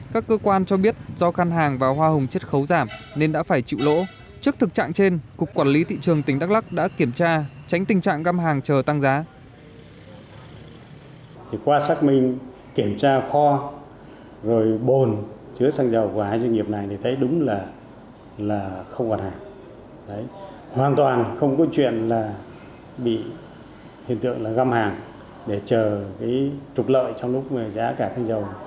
các cơ quan cho biết do khăn hàng và hoa hồng chất khấu giảm nên đã phải chịu lỗ trước thực trạng trên cục quản lý thị trường tỉnh đắk lắk đã kiểm tra tránh tình trạng găm hàng chờ tăng giá